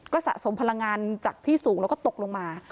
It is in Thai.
ก็สะสมพลังงานจากที่สูงแล้วก็ตกลงมา